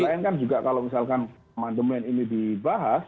selain kan juga kalau misalkan amandemen ini dibahas